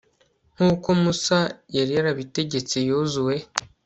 nk'uko musa yari yarabitegetse yozuwe